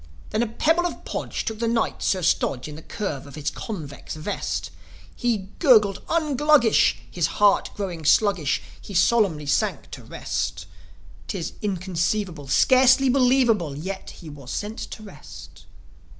Then a pebble of Podge took the Knight, Sir Stodge, In the curve of his convex vest. He gurgled "Un Gluggish!" His heart growing sluggish, He solemnly sank to rest. 'Tis inconceivable, Scarcely believable, Yet, he was sent to rest.